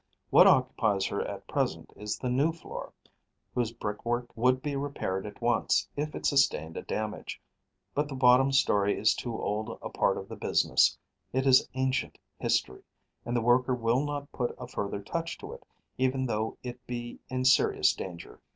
What occupies her at present is the new floor, whose brickwork would be repaired at once, if it sustained a damage; but the bottom storey is too old a part of the business, it is ancient history; and the worker will not put a further touch to it, even though it be in serious danger.